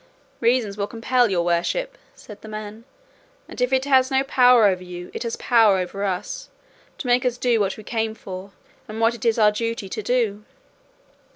"Reason will compel your worship," said the man, "and if it has no power over you, it has power over us, to make us do what we came for, and what it is our duty to do."